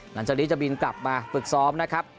หลังจากนี้จะบินกลับมาฝึกซ้อมนะครับ